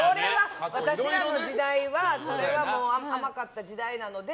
私らの時代はそれは甘かった時代なので。